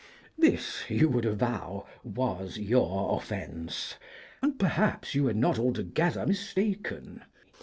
This, you would avow, was your offence, and perhaps you were not altogether mistaken.